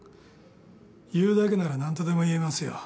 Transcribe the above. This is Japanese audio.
言うだけなら何とでも言えますよ。